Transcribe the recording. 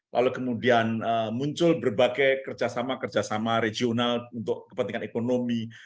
lalu kemudian muncul berbagai kerjasama kerjasama regional untuk kepentingan ekonomi